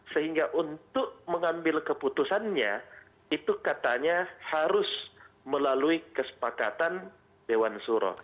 sehingga untuk mengambil keputusannya itu katanya harus melalui kesepakatan dewan suro